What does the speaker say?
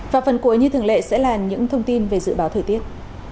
và phần cuối như thường lệ sẽ là những thông tin về dự báo thời tiết